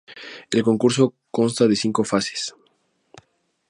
El concurso consta de cinco fases.